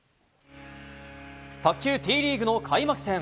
卓球Ｔリーグの開幕戦。